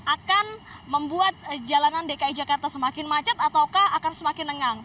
akan membuat jalanan dki jakarta semakin macet ataukah akan semakin lengang